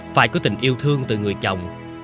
phải có tình yêu thương từ người chồng